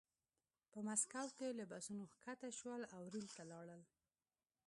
په مسکو کې له بسونو ښکته شول او ریل ته لاړل